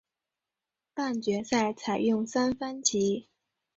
半决赛采用三番棋。